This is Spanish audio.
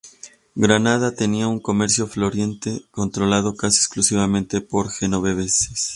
Granada tenía un comercio floreciente, controlado casi exclusivamente por genoveses.